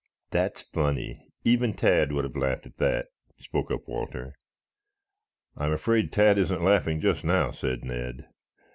"That's funny. Even Tad would have laughed at that," spoke up Walter. "I am afraid Tad isn't laughing just now," said Ned.